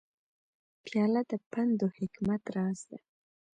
پیاله د پند و حکمت راز ده.